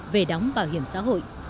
về đóng bảo hiểm xã hội